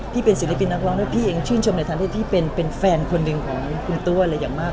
พี่เป็นศิลปินนักร้องแล้วพี่เองชื่นชมในทางที่เป็นแฟนคนหนึ่งของคุณตัวเลยอย่างมาก